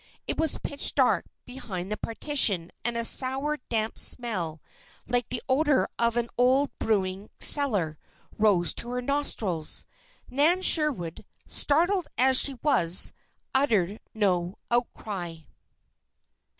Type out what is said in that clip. It was pitch dark behind the partition and a sour, damp smell, like the odor of an old brewing cellar, rose to her nostrils. Nan Sherwood, startled as she was, uttered no outcry.